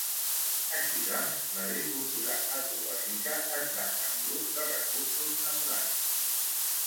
Així doncs, l'agricultura ecològica es basa en l'ús de recursos naturals.